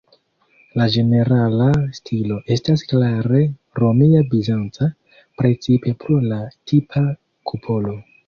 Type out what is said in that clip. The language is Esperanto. La ĝenerala stilo estas klare romia-bizanca, precipe pro la tipa kupolo.